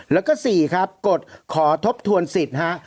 แล้วก็๔ครับกฎขอทบทวนสิทธิ์ฮะ